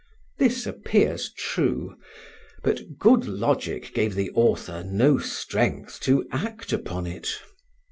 This appears true; but good logic gave the author no strength to act upon it.